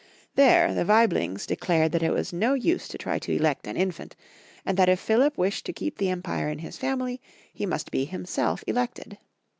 There the Waiblings declared that it was no use to try to elect an infant, and that if Philip wished to keep the empire in his family he must be liimself elected.